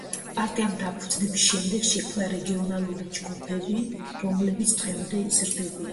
პარტიამ დაფუძნების შემდეგ შექმნა რეგიონალური ჯგუფები, რომლებიც დღემდე იზრდებიან.